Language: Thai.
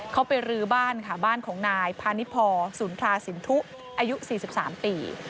เขาไปรื้อบ้านค่ะบ้านของนายพาณิพอสุนทราสินทุอายุ๔๓ปี